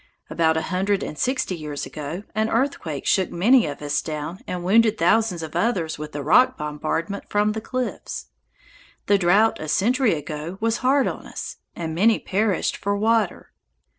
About a hundred and sixty years ago, an earthquake shook many of us down and wounded thousands of others with the rock bombardment from the cliffs. The drought a century ago was hard on us, and many perished for water.